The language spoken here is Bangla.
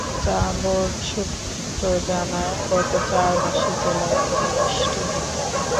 চা বোর্ড সূত্র জানায়, গত চার মাসে জেলায় কোনো বৃষ্টি হয়নি।